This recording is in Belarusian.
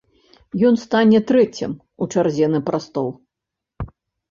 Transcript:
Ён стане трэцім у чарзе на прастол.